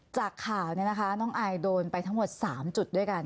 จากข่าวเนี่ยนะคะน้องอายโดนไปทั้งหมดสามจุดด้วยกัน